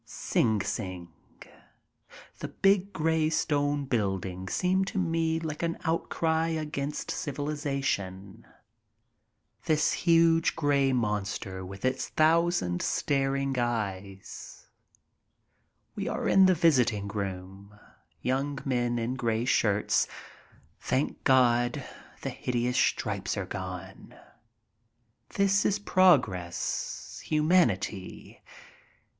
Sing Sing. The big, gray stone buildings seem to me like an outcry against civilization. This huge gray monster BON VOYAGE 151 with its thousand staring eyes. We are in the visiting room. Young men in gray shirts. Thank God, the hideous stripes are gone. This is progress, humanity.